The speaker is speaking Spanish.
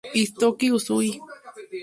Hitoshi Usui